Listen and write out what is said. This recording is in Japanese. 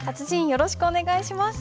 よろしくお願いします。